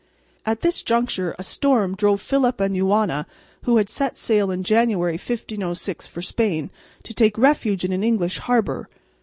At this juncture a storm drove Philip and Juana, who had set sail in January, 1506, for Spain, to take refuge in an English harbour.